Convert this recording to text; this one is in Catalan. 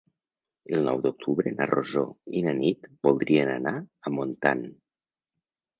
El nou d'octubre na Rosó i na Nit voldrien anar a Montant.